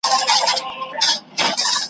پر زړه مي اوري د کابل واوري `